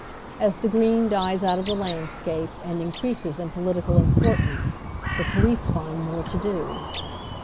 As the green dies out of the landscape and increases in political importance, the police find more to do.